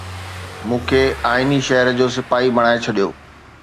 مون کي آئيني شهر جو سپاهي بڻائي ڇڏيو